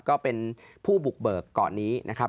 ก็เป็นผู้บุกเบิกก่อนนี้นะครับ